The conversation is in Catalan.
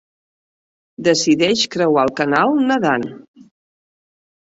Decideix creuar el canal nedant.